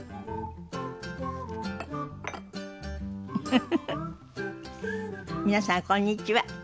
フフフフ皆さんこんにちは。